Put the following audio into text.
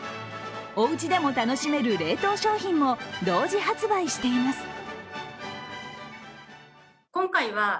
おうちでも楽しめる冷凍商品も同時発売しています。